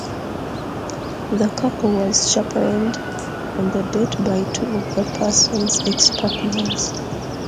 The couple was chaperoned on the date by two of the person's ex-partners.